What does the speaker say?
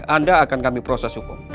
anda akan kami proses hukum